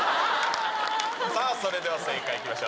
さあそれでは正解いきましょう。